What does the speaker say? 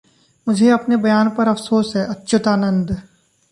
मुझे अपने बयान पर अफसोस हैः अच्युतानंद